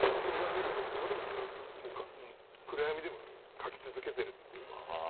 映画見るときとかでもずっともう暗闇でも描き続けてるっていうか。